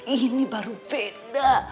ini baru beda